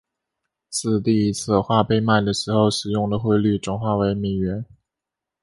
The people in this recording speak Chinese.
自第一次画被卖的时候使用的汇率转换成美元。